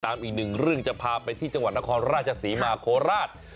อีกหนึ่งเรื่องจะพาไปที่จังหวัดนครราชศรีมาโคราช